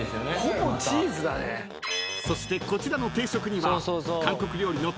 ［そしてこちらの定食には］